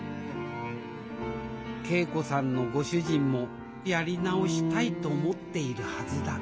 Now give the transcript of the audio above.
桂子さんのご主人もやり直したいと思っているはずだ。